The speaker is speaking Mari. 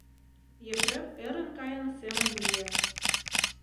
Епрем ӧрын кайыме семын лие.